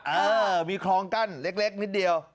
เออมีคลองกั้นเล็กนิดเดียว